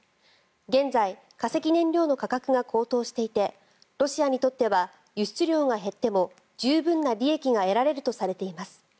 現在、化石燃料の価格が高騰していてロシアにとっては輸出量が減っても十分な利益が得られるとされています。